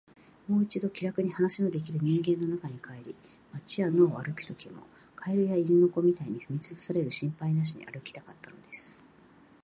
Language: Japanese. もう一度、気らくに話のできる人間の中に帰り、街や野を歩くときも、蛙や犬の子みたいに踏みつぶされる心配なしに歩きたかったのです。